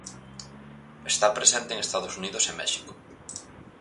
Está presente en Estados Unidos e México.